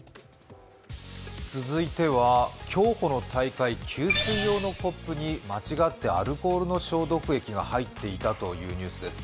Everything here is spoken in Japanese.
続いては競歩の大会給水用のコップに間違ってアルコールの消毒液が入っていたニュースです。